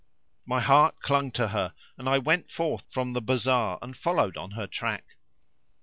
My heart clung to her and I went forth from the bazar and followed on her track.